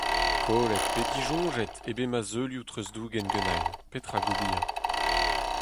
Kollet pe disoñjet eo bet ma zeulioù treuzdougen ganin, petra ober ?